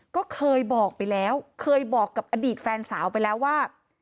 ก็เคยบอกไปแล้วเคยบอกกับอดีตแฟนสาวไปแล้วว่า